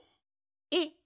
えっ？